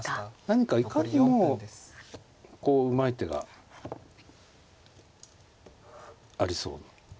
何かいかにもこううまい手がありそう。